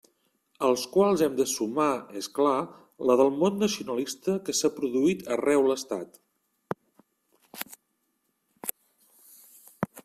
Als quals hem de sumar, és clar, la del mot nacionalista que s'ha produït arreu l'Estat.